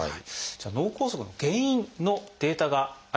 脳梗塞の原因のデータがあります。